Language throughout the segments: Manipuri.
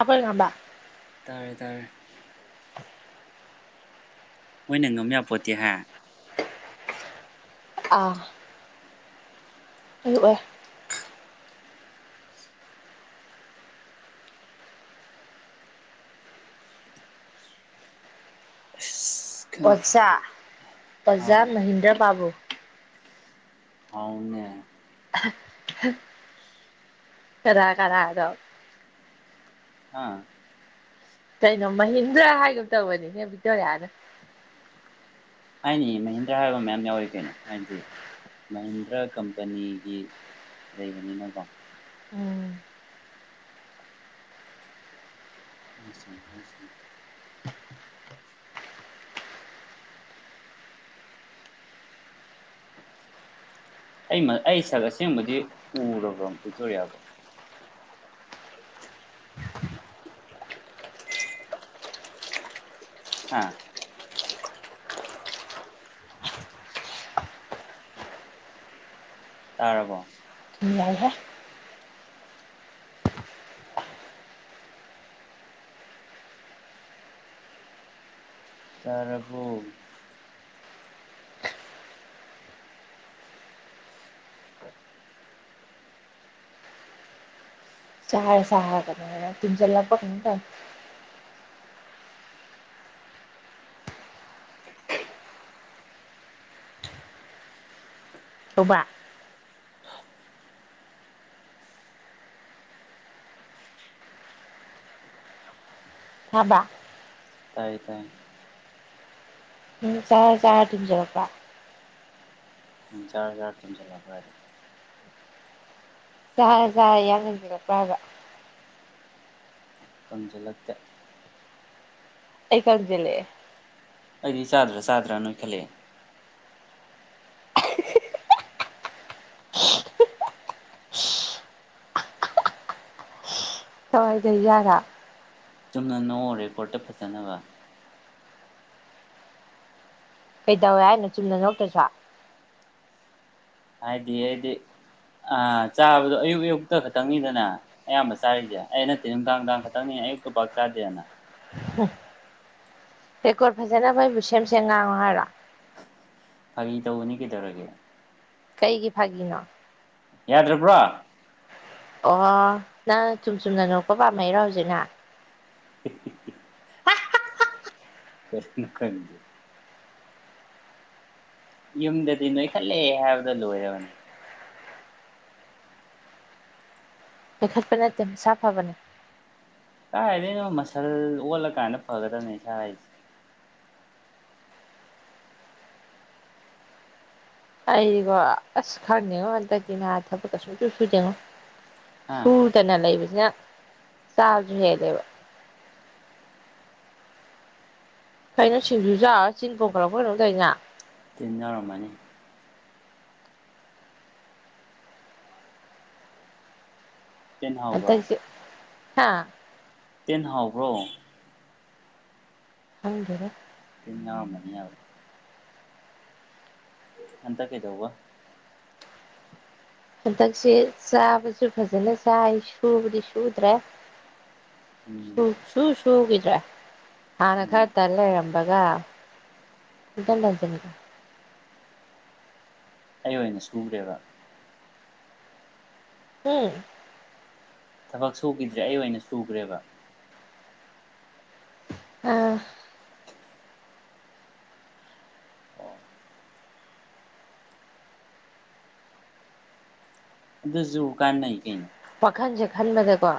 ꯑꯈꯣꯏ ꯉꯝꯕ ꯇꯥꯔꯦ ꯇꯥꯔꯦ ꯃꯣꯏꯅ ꯉꯝ ꯌꯥꯄꯣꯠꯇꯦ ꯍꯥ ꯑꯥ ꯑꯩ [unintelligible] [unintelligible] ꯑꯣꯖꯥ ꯍꯥꯎ ꯑꯣꯖꯥ ꯃꯍꯦꯟꯗ꯭ꯔ ꯕꯥꯕꯨꯨ ꯍꯥꯎꯅꯦ ꯀꯅꯥ ꯀꯅꯥꯅꯣ ꯍꯥ ꯀꯩꯅꯣ ꯃꯍꯤꯟꯗ꯭ꯔꯥ ꯍꯥꯏꯒ ꯇꯧꯕꯅꯤꯅꯦ ꯕꯤꯛꯇꯣꯔꯤꯌꯥꯅ ꯍꯥꯏꯅꯤ ꯃꯍꯤꯟꯗ꯭ꯔꯥ ꯍꯥꯏꯕ ꯃꯌꯥꯝ ꯌꯥꯎꯋꯤ ꯀꯩꯅꯣ ꯍꯥꯏꯗꯤ ꯃꯍꯤꯟꯗ꯭ꯔ ꯀꯝꯄꯅꯤꯒꯤ ꯂꯩꯕꯅꯤꯅꯀꯣ ꯎꯝ ꯍꯥꯏꯁꯅꯨ ꯍꯥꯏꯁꯅꯨ ꯑꯩ ꯑꯩ ꯁꯛ ꯑꯁꯦꯡꯕꯗꯤ ꯎꯔꯕ꯭ꯔꯣ ꯕꯤꯛꯇꯣꯔꯤꯌꯥꯕꯣ ꯍꯥ ꯇꯥꯔꯕꯣ ꯎ ꯂꯥꯏꯍꯦ ꯇꯔꯕꯣ ꯆꯥꯔ ꯆꯥꯔꯒ [unintelligible] ꯇꯨꯝꯖꯜꯂꯛꯄ꯭ꯔ ꯀꯩꯅꯣꯝ ꯇꯧꯋꯦ ꯑꯣꯕꯥ ꯊꯥꯕ ꯇꯥꯏꯌꯦ ꯇꯥꯏꯌꯦ ꯎꯝ ꯆꯥꯔ ꯆꯥꯔ ꯇꯨꯝꯖꯜꯂꯛꯄꯥꯥ ꯀꯩ ꯆꯥꯔ ꯆꯥꯔ ꯇꯨꯝꯖꯜ ꯂꯛꯄ꯭ꯔꯗꯤ ꯆꯥꯔ ꯆꯥꯔ ꯌꯥꯡ ꯀꯪꯖꯥꯜꯂꯛꯄ꯭ꯔꯥ ꯍꯥꯏꯕ ꯀꯪꯁꯤꯜꯂꯛꯇꯦ ꯑꯩ ꯀꯪꯖꯤꯜꯂꯛꯑꯦ ꯑꯩꯗꯤ ꯆꯥꯗ꯭ꯔꯥ ꯆꯥꯗ꯭ꯔꯥ ꯅꯣꯏꯈꯜꯂꯛꯑꯦ [unintelligible] ꯆꯨꯝꯅ ꯅꯣꯛꯑꫭ ꯔꯦꯀꯣꫪꯠꯇ ꯐꯖꯅꯕ꯫ ꯀꯩꯗꯧꯋꯦ ꯍꯥꯏꯅꫭ ꯆꯨꯝꯅ ꯅꯣꯛꯇ꯭ꯔꯁꯨ꯫ ꯍꯥꯏꯗꯤ ꯑꯗꯤ ꯑ ꯆꯥꯕꯗꯣ ꯑꯌꯨꯛ ꯑꯌꯨꯛꯇ ꯈꯛꯇꯪꯅꯤꯗꯅ ꯑꯌꯥꯝꯕ ꯆꯥꯔꯤꯁꯦ ꯑꯩ ꯅꯠꯇꯦ ꯅꯨꯡꯗꯥꯡ ꯅꯨꯡꯗꯥꯡ ꯈꯛꯇꯪꯅꯤ ꯑꯌꯨꯛꯇ ꯄꯥꯛ ꯆꯥꯗꯦꯗꯅ꯫ ꯍꯨꯡ ꯔꯦꯀꯣꫪꯠ ꯐꯖꯅꯅꯕ ꯑꯩꯕꯨ ꯁꯦꯝ ꯁꯦꯝ ꯉꯥꯡꯉꫭ ꯍꯥꯏꯔꯣ꯫ ꯐꯒꯤ ꯇꯧꯕꯅꯤ ꯀꯩꯗꯧꯔꯒꯦ꯫ ꯀꯩꯒꯤ ꯐꯥꯒꯤꯅꯣ꯫ ꯌꯥꯗ꯭ꯔꯕ꯭ꯔꯣ꯫ ꯑꯣ ꯅꯪ ꯆꯨꯝ ꯆꯨꯝꯅ ꯅꯣꯛꯄ ꯄꯥꯝꯃꯩꯔꯣ ꯍꯧꯖꯤꯛꯅ꯫ [unintelligible] ꯀꯔꯤꯅ ꯈꯗꯦ꯫ ꯌꯨꯝꯗꯗꯤ ꯅꯣꯏꯈꯠꯂꯦ ꯍꯥꯏꯕꯗ ꯂꯣꯏꯔꯕꯅꯤ꯫ ꯅꫭꯏꯈꯠꯄ ꯅꯠꯇꯦ ꯃꯁꯥ ꯐꯕꯅꯦ꯫ ꯀꯥꯏꯗꯩꯅꫭ ꯃꯁꯜ ꯑꯣꯜꯂꯀꯥꯟꯗ ꯐꯒꯗꯕꯅꯤ ꯏꯁꯥ ꯍꯥꯏꯁꯦ꯫ ꯑꯕꫭ ꯑꯁ ꯈꯪꯗꯦꯉꯣ ꯍꯟꯇꯛꯇꯤ ꯅ ꯊꯕꯛꯀ ꯁꯨꯡꯁꯨ ꯁꯨꯗꯦꯉꯣ꯫ ꯍꯥ ꯁꯨꯗꯅ ꯂꯩꯕ꯫ ꯆꯖ ꯍ ꯂꯩꯕ ꯀꯥꯏꯩꯅ ꯁꯤꯡꯖꯨ ꯆꯥꯔꯨꯔ ꯆꯤꯟ ꯄꫭꯝꯈꯠꯂꯛꯄ꯭ꯔꯥ ꯀꯩꯅꫭꯝ ꯇꯧꯏꯅ꯫ ꯇꯤꯟ ꯌꯥꯎꯔꯝꯃꯅꯤ꯫ ꯇꯤꯟ ꯍꯥꯎꯕ꯭ꯔ꯫ ꯍꯥꯥ ꯇꯤꯟ ꯍꯥꯎꯕ꯭ꯔꯣ꯫ ꯈꯪꯗꯦꯗ꯫ ꯇꯤꯟ ꯋꯥꯎꯔꯃꯅꯤ ꯍꯥꯏꯕ꯫ ꯍꯟꯇꯛ ꯀꯩꯗꯧꯕ꯫ ꯍꯟꯗꯛꯁꯦ ꯆꯥꯕꯁꯨ ꯐꯖꯅ ꯆꯥꯏ ꯁꯨꯕꯗꯤ ꯁꯨꯗ꯭ꯔꯦ꯫ ꯎꯝ ꯁꯨꯡꯁꯨ ꯁꯨ ꯁꯨꯒꯤꯗ꯭ꯔꯦ ꯍꯥꯟꯅ ꯎꯝ ꯈꯔ ꯇꯟ ꯂꯩꯔꯝꯕꯒ ꯍꯟꯇꯛꯅ [unintelligible] ꯑꯩ ꯑꯣꯏꯅ ꯁꯨꯒ꯭ꯔꯦꯕ ꯍꯝ ꯊꯕꯛ ꯁꯨꯒꯤꯗ꯭ꯔꯦ ꯑꯩ ꯑꯣꯏꯅ ꯁꯨꯈ꯭ꯔꯦꯕ ꯑꯥ ꯑꯣ ꯑꯗꯨꯁꯨ ꯀꯥꯟꯅꯩ ꯀꯩꯅꯣ ꯋꯥꯈꯟꯁꯦ ꯈꯟꯕꯗꯀꯣ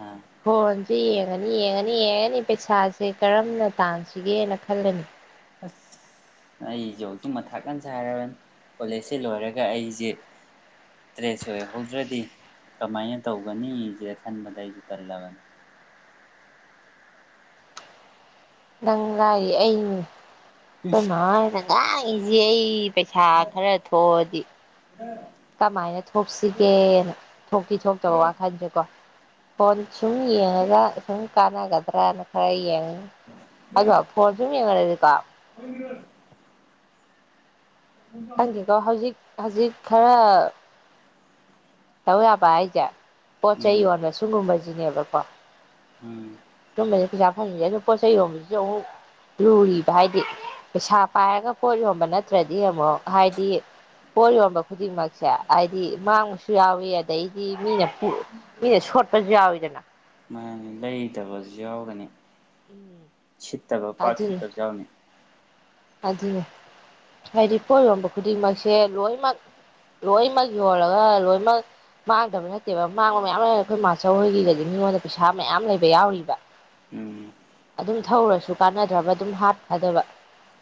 ꯑꯥ ꯐꯣꯟ ꯁꯤ ꯌꯦꯡꯉꯅꯤ ꯌꯦꯡꯉꯅꯤ ꯌꯦꯡꯉꯅꯤ ꯄꯩꯁꯥꯁꯦ ꯀꯔꯝꯅ ꯇꯥꯟꯁꯤꯒꯦꯅ ꯈꯜꯂꯅꯤ ꯑꯁ ꯑꯩꯁꯦ ꯍꯧꯖꯤꯛ ꯃꯊꯥ ꯀꯟ ꯁꯥꯔꯕꯅꯤ ꯀꯣꯂꯦꯖꯁꯤ ꯂꯣꯏꯔꯒ ꯑꯩꯁꯦ ꯇ꯭ꯔꯦꯠꯁꯦ ꯑꯣꯏꯍꯧꯗ꯭ꯔꯗꯤ ꯀꯃꯥꯏꯅ ꯇꯧꯒꯅꯤꯁꯦ ꯈꯟꯕꯗ ꯑꯩꯁꯨ ꯇꯜꯂꯕꯅꯤ꯫ ꯅꯪ ꯂꯥꯏꯔꯤ ꯑꯩꯅꯤ [unintelligible] [unintelligible] ꯑꯩ ꯄꯩꯁꯥ ꯈꯔ ꯊꯣꯛꯑꯗꯤ ꯀꯃꯥꯏꯅ ꯊꯣꯛꯁꯤꯒꯦꯅ ꯊꯣꯛꯇꯤ ꯊꯣꯛꯇꯕ ꯋꯥꯈꯟꯁꯦꯀꯣ꯫ ꯍ ꯁꯨꯝ ꯌꯦꯡꯉꯒ ꯁꯨꯝ ꯀꯥꯟꯅꯒꯗ꯭ꯔꯅ ꯈꯔ ꯌꯦꯡꯉ [unintelligible] ꯀꯥꯞ [unintelligible] ꯍꯪꯒꯤ ꯀꯣ ꯍꯣꯖꯤ ꯍꯧꯖꯤꯛ ꯈꯔ ꯇꯧ ꯌꯥꯕ ꯍꯥꯏꯖ ꯄꯆꯥꯏ ꯎꯝ ꯋꯥꯅ ꯁꯨꯡꯒꯨꯝꯕꯥ ꯁꯤꯖꯤꯅꯦꯕꯀꯣ ꯎꯝ [unintelligible] ꯈꯪꯁꯦ ꯑꯗꯨ ꯄꯣꯠꯆꯩ ꯌꯣꯟꯕꯁꯤꯁꯨ ꯑꯃꯨꯛ ꯂꯨꯔꯤꯕ ꯍꯥꯏꯗꯤ ꯄꯩꯁꯥ ꯄꯥꯏꯔꯒ ꯄꯣꯠ ꯌꯣꯟꯕ ꯅꯠꯇ꯭ꯔꯗꯤ ꯑꯃꯨꯛ ꯍꯥꯏꯗꯤ ꯄꯣꯠ ꯌꯣꯟꯕ ꯈꯨꯗꯤꯡꯃꯛꯁꯦ ꯍꯥꯏꯗꯤ ꯃꯥꯡꯁꯨ ꯁ ꯌꯥꯎꯋꯤ ꯑꯗꯩꯗꯤ ꯃꯤꯅ ꯃꯤꯅ ꯁꯣꯠꯄꯁꯨ ꯌꯥꯎꯋꯤꯗꯅ ꯂꯩꯇꯕꯁꯨ ꯌꯥꯎꯒꯅꯤ ꯎꯝ ꯁꯤꯠꯇ ꯄꯥꯛ ꯁꯤꯤ꯭ꯠꯇ ꯌꯥꯎꯅꯤ ꯑꯗꯨꯅꯦ ꯍꯥꯏꯗꯤ ꯄꯣꯠ ꯌꯣꯟꯕ ꯈꯨꯗꯤꯡꯃꯛꯁꯦ ꯂꯣꯏꯅꯃꯛ ꯂꯣꯏꯅꯃꯛ ꯌꯣꯜꯂꯒ ꯂꯣꯏꯅꯃꯛ ꯃꯥꯡꯗꯕ ꯅꯠꯇꯦꯕ ꯃꯥꯡꯕ ꯃꯌꯥꯝ ꯂꯩ ꯑꯩꯈꯣꯏ ꯃꯥꯆꯧ ꯍꯣꯏꯒꯤꯒꯗꯤ ꯃꯤꯉꯣꯟꯗ ꯄꯩꯁꯥ ꯃꯌꯥꯝ ꯂꯩꯕ ꯌꯥꯎꯔꯤꯕ ꯎꯝ ꯑꯗꯨꯝ ꯊꯧꯔꯁꯨ ꯀꯥꯟꯅꯗ꯭ꯔꯕ ꯑꯗꯨꯝ ꯍꯥꯠ ꯈ꯭ꯕꯗꯕ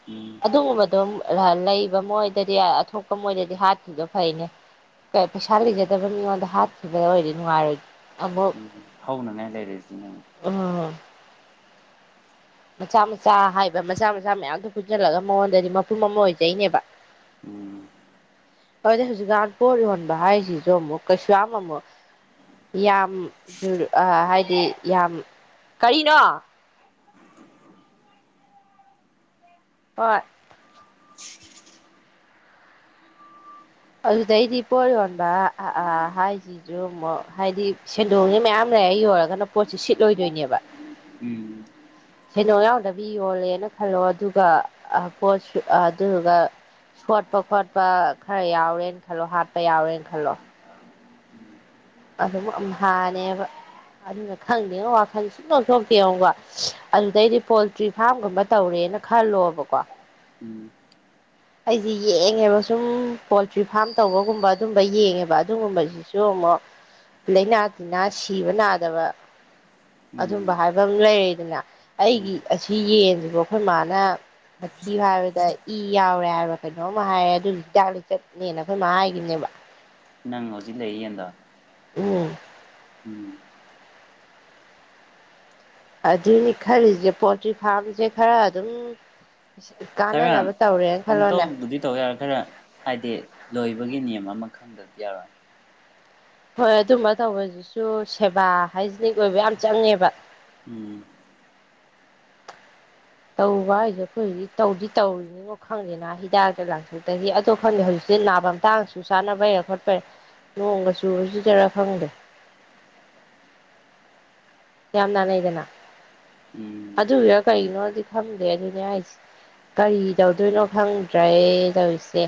ꯎꯝ ꯑꯗꯨꯒꯨꯝꯕꯗꯣ ꯂꯩꯕ ꯃꯣꯏꯗꯗꯤ ꯑꯇꯣꯞꯄ ꯃꯣꯏꯗꯗꯤ ꯍꯥꯠꯈꯤꯕꯗꯣ ꯐꯩꯅꯦ ꯄꯩꯁꯥ ꯂꯩꯖꯗꯕ ꯃꯤꯉꯣꯟꯗ ꯍꯥꯠꯈꯤꯕꯗ ꯑꯣꯏꯔꯗꯤ ꯅꯨꯡꯉꯥꯏꯔꯣꯏ ꯑꯃꯨꯛ ꯍꯧꯅꯅꯦ ꯂꯩꯔꯦꯁꯤ ꯅ ꯎꯝ ꯃꯆꯥ ꯃꯆꯥ ꯍꯥꯏꯕ ꯃꯆꯥ ꯃꯆꯥ ꯃꯌꯥꯝꯗꯨꯣ ꯄꯨꯟꯁꯤꯜꯂꯒ ꯃꯉꯣꯟꯗꯗꯤ ꯃꯄꯨꯝ ꯑꯃ ꯑꯣꯏꯖꯩꯅꯦꯕ ꯎꯝ ꯑꯗꯨꯗꯤ ꯍꯧꯖꯤꯛꯀꯥꯟ ꯄꯣꯠ ꯌꯣꯟꯕ ꯍꯥꯏꯁꯤꯁꯨ ꯑꯃꯨꯛ ꯀꯩꯁꯨ ꯌꯥꯝ ꯑꯃꯨꯛ ꯌꯥꯝ ꯍꯥꯏꯗꯤ ꯌꯥꯝ ꯀꯔꯤꯅꯣ ꯍꯣꯏ ꯑꯗꯨꯗꯩꯗꯤ ꯄꯣꯠ ꯌꯣꯟꯕ ꯍꯥꯏꯁꯤꯁꯨ ꯑꯃꯨꯛ ꯍꯥꯏꯗꯤ ꯁꯦꯟꯗꯣꯡꯁꯦ ꯃꯌꯥꯝ ꯂꯩꯔ ꯌꯣꯟꯜꯂꯒꯅ ꯄꯣꯠꯁꯤ ꯁꯤꯠꯂꯣꯏꯗꯣꯏꯅꯦꯕ ꯎꯝ ꯁꯦꯟꯗꯣꯡ ꯌꯥꯎꯗꯕꯤ ꯌꯣꯜꯂꯦꯅ ꯈꯜꯂꯣ ꯑꯗꯨꯒ ꯄꯣꯠ ꯑꯗꯨꯗꯨꯒ ꯁꯣꯠꯄ ꯈꯣꯠꯄ ꯈꯔ ꯌꯥꯎꯔꯦꯅ ꯈꯜꯂꯣ ꯍꯥꯠꯄ ꯌꯥꯎꯔꯦꯅ ꯈꯜꯂꯣ ꯑꯗꯨꯝ ꯍꯅꯦꯕ ꯑꯗꯨꯅ ꯈꯪꯗꯦ ꯋꯥꯈꯜ ꯁꯨꯡ ꯂꯧꯊꯣꯛꯇꯦ ꯌꯦꯕ ꯑꯗꯨꯗꯩꯗꯤ ꯄꯣꯜꯇ꯭ꯔꯤ ꯐꯥꯔꯝꯒꯨꯝꯕ ꯇꯧꯔꯦꯅ ꯈꯜꯂꯣꯕꯀꯣ ꯎꯝ ꯑꯩꯁꯦ ꯌꯦꯡꯉꯦꯕ ꯁꯨꯝ ꯄꯣꯜꯇ꯭ꯔꯤ ꯐꯥꯔꯝ ꯇꯧꯕꯒꯨꯝꯕ ꯑꯗꯨꯝꯕ ꯌꯦꯡꯉꯦꯕ ꯑꯗꯨꯒꯨꯝꯕꯁꯤꯁꯨ ꯑꯃꯨꯛ ꯂꯩꯥꯏꯅꯥ ꯇꯤꯟꯅꯥ ꯁꯤꯕ ꯅꯥꯗꯕ ꯎꯝ ꯑꯗꯨꯝꯕ ꯍꯥꯏꯕ ꯂꯩꯔꯗꯅ ꯑꯩꯒꯤ ꯎꯝ ꯑꯁꯤ ꯌꯦꯟꯁꯤꯕ ꯑꯩꯈꯣꯏ ꯃꯥꯅ ꯃꯊꯤꯨ ꯍꯥꯏꯕꯗ ꯏ ꯌꯥꯎ ꯍꯥꯏꯔ ꯀꯩꯅꯣꯃ ꯍꯥꯏꯔꯦ ꯑꯗꯨ ꯍꯤꯗꯥꯛ ꯂꯤꯆꯠꯅꯦꯅ ꯑꯩꯈꯣꯏ ꯃꯥ ꯍꯥꯏꯈꯤꯅꯦꯕ ꯅꯪ ꯑꯣꯁꯤ ꯂꯩ ꯑ ꯎꯝ ꯎꯝ ꯑꯗꯨꯏꯅꯤ ꯈꯔꯤꯁꯦ ꯄꯣꯜꯇ꯭ꯔꯤ ꯐꯥꯔꯝꯁꯦ ꯈꯔ ꯑꯗꯨꯝ ꯈꯔ ꯀꯥꯟꯅꯅꯕ ꯇꯧꯔꯦꯅ ꯈꯜꯂꯣꯅꯦ ꯑꯝꯇꯕꯨꯗꯤ ꯇꯧ ꯌꯥꯔ ꯈꯔ ꯍꯥꯏꯗꯤ ꯂꯣꯏꯕꯒꯤ ꯅꯤꯝ ꯑꯃ ꯈꯪꯗꯗꯤ ꯌꯥꯔꯣꯏ ꯍꯣꯏ ꯑꯗꯨꯝꯕ ꯇꯧꯕꯁꯤꯁꯨ ꯁꯦꯕꯥ ꯍꯥꯏꯖꯤꯅꯤꯛ ꯑꯣꯏꯕ ꯌꯥꯝ ꯆꯪꯉꯦꯕ ꯎꯝ ꯇꯧꯕ ꯍꯥꯏꯁꯦ ꯑꯩꯈꯣꯏ ꯍꯧꯖꯤꯛ ꯇꯧꯗꯤ ꯇꯧꯔꯤꯅꯤꯅꯣ ꯈꯪꯗꯦꯅ ꯍꯤꯗꯥꯛ ꯀ ꯂꯥꯡꯊꯛꯇꯒꯤ ꯑꯗꯣ ꯈꯪꯗꯦ ꯍꯧꯖꯤꯛꯇꯤꯦ ꯅꯥꯕ ꯑꯃꯇꯥꯡꯁꯨ ꯆꯥꯅꯕꯩꯔ ꯈꯣꯠꯄꯩꯔꯦ ꯅꯣꯡꯒ ꯆꯨꯗꯔꯥ ꯈꯪꯗꯦ ꯌꯥꯝ ꯅꯅꯦꯏꯗꯅ ꯎꯝ ꯑꯗ ꯑꯣꯏꯔ ꯀꯥꯏꯩꯅꯣꯗꯤ ꯈꯪꯗꯦ ꯑꯗꯨꯅꯦ ꯍꯥꯏꯁꯦ ꯀꯔꯤ ꯇꯧꯗꯣꯏꯅꯣ ꯈꯪꯗ꯭ꯔꯦ ꯇꯧꯔꯤꯁꯦ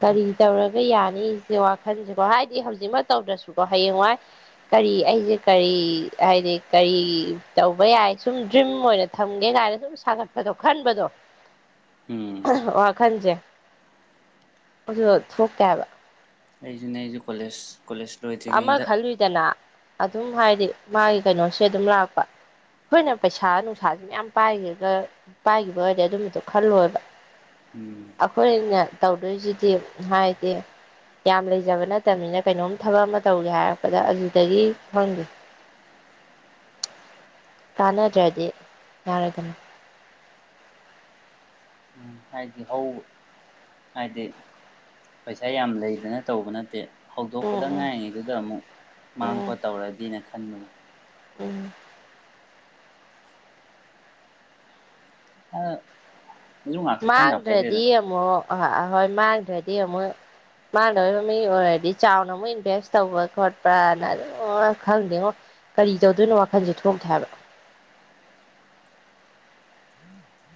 ꯀꯔꯤ ꯇꯧꯔꯒ ꯌꯥꯅꯤꯁꯦ ꯋꯥꯈꯜꯁꯦꯀꯣ ꯍꯥꯏꯗꯤ ꯍꯧꯖꯤꯛꯃꯛ ꯇꯧꯗ꯭ꯔꯁꯨꯀꯣ ꯍꯌꯦꯡꯋꯥꯏ ꯀꯔꯤ ꯑꯩꯁꯦ ꯀꯔꯤ ꯍꯥꯏꯗꯤ ꯀꯔꯤ ꯇꯧꯕ ꯌꯥꯏ ꯁꯨꯝ ꯗ꯭ꯔꯤꯝ ꯑꯣꯏꯅ ꯊꯝꯒꯦ ꯀꯥꯏꯅ ꯁꯨꯝ ꯁꯥꯒꯠꯄꯗꯣ ꯈꯟꯕꯗꯣ ꯎꯝ ꯋꯥꯈꯟꯁꯦ ꯑꯗꯨ ꯊꯣꯛꯇꯦꯕ ꯑꯩꯁꯨꯅꯦ ꯑꯩꯁꯨ ꯀꯣꯂꯦꯖ ꯀꯣꯂꯦꯖ ꯑꯃ ꯂꯣꯏꯗ꯭ꯔꯤꯉꯩꯗ ꯈꯜꯂꯨꯏꯗꯅ ꯑꯗꯨꯝ ꯍꯥꯏꯗꯤ ꯃꯥꯒꯤ ꯀꯩꯅꯣꯁꯦ ꯑꯗꯨꯝ ꯂꯥꯛꯄ ꯑꯩꯈꯣꯏꯅ ꯄꯩꯁꯥ ꯅꯨꯡꯁꯥꯥꯁꯦ ꯃꯌꯥꯝ ꯄꯥꯏꯒ ꯄꯥꯏꯈꯤꯕ ꯑꯣꯏꯔꯗꯤ ꯑꯗꯨꯝꯕꯗꯣ ꯈꯜꯂꯣꯏꯕ ꯎꯝ ꯑꯩꯈꯣꯏꯅ ꯇꯧꯗꯣꯏꯁꯤꯗꯤ ꯍꯥꯏꯗꯤ ꯌꯥꯝ ꯂꯩꯖꯕ ꯅꯠꯇꯕꯅꯤꯅ ꯀꯩꯅꯣꯝ ꯊꯕꯛ ꯑꯃ ꯇꯧꯒꯦ ꯍꯥꯏꯔꯛꯄꯗ ꯑꯗꯨꯗꯒꯤ ꯈꯪꯗꯦ ꯇꯥꯟꯅꯗ꯭ꯔꯗꯤ ꯌꯥꯔꯒꯅ ꯍꯥꯏꯗꯤ ꯍꯧꯕ ꯍꯥꯏꯗꯤ ꯄꯩꯁꯥ ꯌꯥꯝ ꯂꯩꯗꯅ ꯇꯧꯕ ꯅꯠꯇꯦ ꯍꯧꯗꯣꯛꯄꯗ ꯎꯝ ꯎꯝ ꯉꯥꯏꯔꯤꯉꯩꯗꯨꯗ ꯑꯃꯨꯛ ꯃꯥꯡ ꯎꯝ ꯈꯣꯠ ꯇꯧꯔꯗꯤꯅ ꯈ ꯈꯟꯕꯩ ꯎꯝ ꯑ ꯃꯥꯡꯗ꯭ꯔꯗꯤ ꯑꯃꯨꯛ ꯍꯣꯏ ꯃꯥꯡꯗ꯭ꯔꯗꯤ ꯑꯃꯨꯛ ꯃꯥꯡꯗꯕ ꯃꯤ ꯑꯣꯏꯔꯗꯤ ꯆꯥꯎꯅ ꯑꯃꯨꯛ ꯏꯟꯚꯦꯁ ꯇꯧꯕ ꯈꯣꯠꯄꯅ ꯑꯗꯨꯝ ꯈꯪꯗꯦꯉꯣ ꯀꯔꯤ ꯇꯧꯗꯣꯏꯅꯣ ꯋꯥꯈꯜꯁꯦ ꯊꯣꯛꯇꯦ ꯍꯥꯏꯕ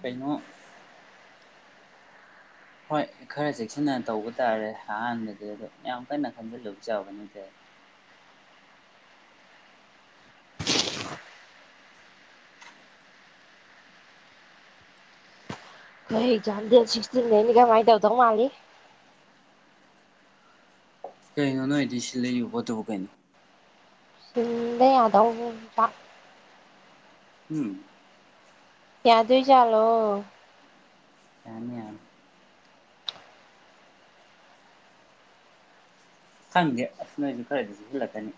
ꯀꯩꯅꯣ ꯍꯣꯏ ꯈꯔ ꯆꯦꯛꯁꯤꯟꯅ ꯇꯧꯕ ꯇꯥꯔꯦ ꯑꯍꯥꯟꯕꯗꯤ ꯑꯗꯨꯗꯣ ꯌꯥꯝ ꯀꯟꯅ ꯈꯟꯖꯤꯜꯂꯨꯕ ꯆꯥꯎꯕ ꯅꯠꯇꯦ [unintelligible] ꯑꯦꯖꯥꯝ ꯗꯦꯠ ꯁꯤꯛꯁꯇꯤꯟ ꯗꯩꯅꯤ ꯀꯃꯥꯏ ꯇꯧꯗꯧ ꯃꯥꯜꯂꯤ ꯀꯩꯅꯣ ꯅꯣꯏꯗꯤ ꯁꯤꯜꯂ ꯏꯕ ꯄꯣꯠꯇꯕꯨ ꯀꯩꯅꯣ ꯁꯤꯟꯕ ꯌꯥꯗꯧ [unintelligible] ꯎꯝ ꯌꯥꯗꯣꯏ ꯖꯥꯂꯣ ꯌꯥꯅꯤ ꯌꯥꯅꯤ ꯈꯪꯗꯦ ꯑꯁ ꯅꯣꯏꯁꯨ ꯈꯔꯗꯤ ꯆꯦꯛꯁꯤꯜꯂꯛꯀꯅꯤ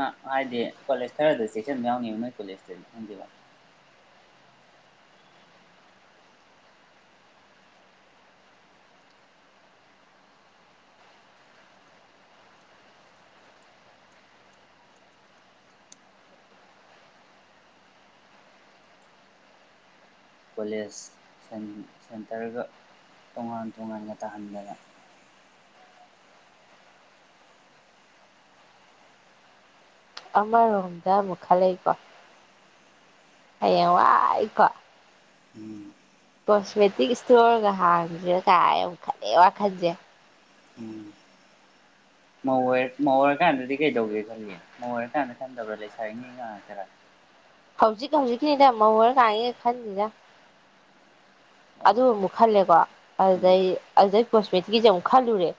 ꯑꯥ ꯍꯥꯏꯗꯤ ꯀꯣꯂꯦꯖ ꯈꯔꯗ ꯆꯦꯛꯁꯤꯟꯕ ꯌꯥꯎꯅꯤꯕ ꯅꯣꯏ ꯀꯣꯂꯦꯖꯇꯗꯤ ꯈꯪꯗꯦꯕ ꯀꯣꯂꯦꯖ ꯁꯦꯟꯇꯔꯒ ꯇꯣꯉꯥꯟ ꯇꯣꯉꯥꯟꯅ ꯇꯥꯍꯟꯗꯅ ꯑꯃꯥ ꯔꯣꯝꯗ ꯑꯃꯨ ꯈꯥꯂꯩꯀꯣ ꯑꯌꯦꯡꯋꯥꯏ ꯀꯣ ꯎꯝ ꯀꯣꯁꯃꯦꯇꯤꯛ ꯏꯁꯇꯣꯔꯒ ꯍꯥꯡꯁꯤꯔꯥ ꯀꯥꯏ ꯑꯃꯨ ꯈꯜꯂꯦ ꯋꯥꯈꯜꯁꯦ ꯎꯝ ꯃꯧ ꯑꯣꯏꯔ ꯃꯧ ꯑꯣꯏꯔꯀꯥꯟꯗꯗꯤ ꯀꯩꯗꯧꯒꯦ ꯈꯜꯂꯤ ꯃꯧ ꯑꯣꯏꯔꯀꯥꯟꯗ ꯈꯟꯗꯕ꯭ꯔꯥ ꯂꯩꯁꯥꯔꯤꯉꯩ ꯉꯥꯛꯇꯔꯥ ꯍꯧꯖꯤꯛ ꯍꯧꯖꯤꯛꯀꯤꯅꯤꯅꯦ ꯃꯧ ꯑꯣꯏꯔ ꯀꯟꯒꯤꯗꯤ ꯈꯟꯗꯤꯗ ꯑꯣ ꯑꯗꯨ ꯑꯃꯨꯛ ꯈꯜꯂꯦꯀꯣ ꯎꯝ ꯑꯗꯨꯗꯩ ꯑꯗꯨꯗꯩ [unintelligible] ꯒꯤꯖꯦ ꯑꯃꯨꯛ ꯈꯜꯂꯨꯔꯦ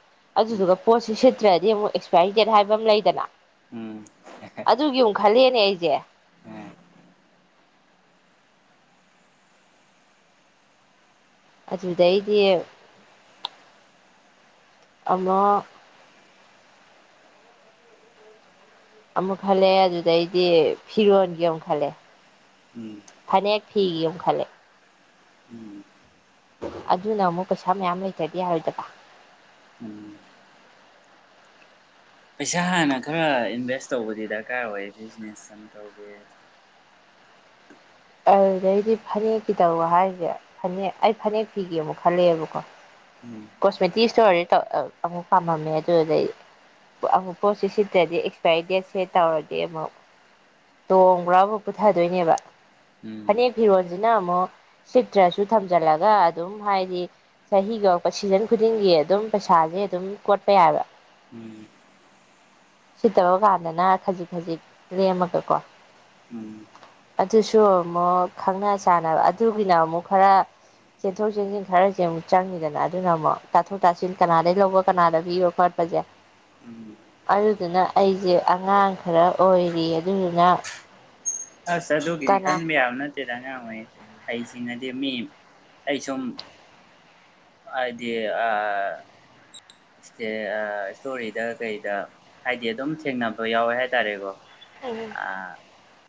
ꯎꯝ ꯑꯗꯨꯁꯨꯒ ꯄꯣꯁꯤ ꯁꯤꯠꯇꯔ꯭ ꯗꯤ ꯑꯃꯨꯛ ꯑꯦꯛꯁꯄꯥꯏꯔꯤ ꯗꯦꯠ ꯍꯥꯏꯕ ꯑꯃ ꯂꯩꯗꯅ ꯎꯝ ꯑꯗꯨꯒꯤ ꯑꯃꯨ ꯈꯂꯦꯅꯦ ꯑꯩ ꯌꯦ ꯎꯝ ꯑꯗꯨꯗꯩꯗꯤ ꯑꯃ ꯑꯃꯨꯛ ꯈꯜꯂꯦ ꯑꯗꯨꯗꯩꯗꯤ ꯐꯤꯔꯣꯟꯒꯤ ꯑꯃꯨꯛ ꯈꯜꯂꯦ ꯎꯝ ꯐꯅꯦꯛ ꯐꯤꯒꯤ ꯑꯃ ꯈꯜꯂꯦ ꯎꯝ ꯑꯗꯨꯅ ꯑꯃꯨꯛ ꯄꯩꯁꯥ ꯃꯌꯥꯝ ꯂꯩꯇꯗꯤ ꯌꯥꯔꯣꯏꯗꯕ ꯎꯝ ꯄꯩꯁꯥ ꯍꯥꯟꯅ ꯈꯔ ꯏꯟꯚꯦꯁ ꯇꯧꯕꯗꯤ ꯗꯔꯀꯥꯔ ꯑꯣꯏ ꯕꯤꯖꯤꯅꯦꯁ ꯑꯃ ꯇꯧꯒꯦꯗꯤ ꯑꯗꯨꯩꯗꯤ ꯐꯅꯦꯛꯀꯤ ꯇꯧꯔ ꯍꯥꯏꯁꯦ ꯐꯅꯦꯛ ꯑꯩ ꯐꯅꯦꯛ ꯐꯤꯒꯦ ꯑꯃꯨꯛ ꯈꯜꯂꯦꯕꯀꯣ ꯎꯝ ꯀꯣꯁꯃꯦꯦꯇꯤꯁ ꯏꯁꯣꯔꯗꯤꯧ ꯑꯃꯨꯛ ꯄꯥꯝꯃꯝꯃꯦ ꯑꯗꯨꯗꯩ ꯑꯃꯨꯛ ꯄꯣꯠꯁꯤ ꯁꯤꯠꯇ꯭ꯔꯗꯤ ꯑꯦꯛꯁꯄꯥꯏꯔꯤ ꯗꯦꯠꯁꯦ ꯇꯧꯔꯗꯤ ꯑꯃꯨꯛ ꯇꯣꯡꯕ꯭ꯔꯥ ꯑꯃꯨꯛ ꯄꯨꯊꯗꯣꯏꯅꯦꯕ ꯎꯝ ꯐꯅꯦꯛ ꯐꯤꯔꯣꯜꯁꯤꯅ ꯑꯃꯨꯛ ꯁꯤꯠꯇ꯭ꯔꯁꯨ ꯊꯝꯖꯤꯜꯂꯒ ꯑꯗꯨꯝ ꯍꯥꯏꯗꯤ ꯆꯍꯤꯒ ꯁꯤꯖꯟ ꯈꯨꯗꯤꯡꯒꯤ ꯑꯗꯨꯝ ꯄꯩꯁꯥꯁꯦ ꯑꯗꯨꯝ ꯀꯣꯠꯄ ꯌꯥꯏꯕ ꯎꯝ ꯁꯤꯠꯇꯕ ꯀꯥꯟꯗꯅ ꯈꯖꯤꯛ ꯈꯖꯤꯛ ꯂꯦꯝꯃꯒꯀꯣ ꯎꯝ ꯑꯗꯨꯁꯨ ꯑꯃꯨꯛ ꯈꯪꯅ ꯆꯥꯟꯅꯕ ꯑꯗꯨꯒꯤꯅ ꯑꯃꯨꯛ ꯈꯔ ꯆꯦꯟꯊꯣꯛ ꯆꯦꯟꯁꯤꯟ ꯈꯔꯁꯦ ꯑꯃꯨꯛ ꯆꯪꯉꯤꯗꯅ ꯑꯗꯨꯅ ꯑꯃꯨꯛ ꯇꯥꯊꯣꯛ ꯇꯥꯁꯤꯟ ꯀꯅꯥꯗꯒꯤꯩ ꯂꯧꯕ ꯀꯅꯥꯗ ꯄꯤꯕ ꯈꯣꯠꯄꯁꯦ ꯎꯝ ꯑꯗꯨꯗꯨꯅ ꯑꯩꯁꯦ ꯑꯉꯥꯡ ꯈꯔ ꯑꯣꯏꯔꯤ ꯑꯗꯨꯗꯨꯅ ꯑꯁ ꯑꯗꯨꯒꯤꯗꯤ ꯀꯅꯥ ꯈꯟꯕ ꯌꯥꯕ ꯅꯠꯇꯦ ꯏꯁꯇꯦꯗ ꯑꯉꯥꯡ ꯑꯣꯏ ꯑꯩꯁꯤꯡꯅꯗꯤ ꯃꯤ ꯑꯩ ꯁꯨꯝ ꯍꯥꯏꯗꯤ ꯏꯁꯇꯣꯔꯤꯗ ꯀꯩꯗ ꯍꯥꯏꯗꯤ ꯑꯗꯨꯝ ꯊꯦꯡꯅꯕ ꯌꯥꯎꯋꯦ ꯍꯥꯏꯇꯥꯔꯦꯀꯣ ꯑꯥ